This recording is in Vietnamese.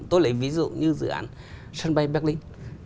tôi lấy ví dụ như dự án sân bay berlin